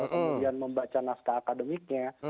kemudian membaca naskah akademiknya